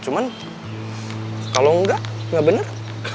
cuman kalau enggak enggak bener